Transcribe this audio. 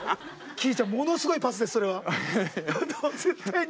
きーちゃんものすごいパスですそれは。絶対に。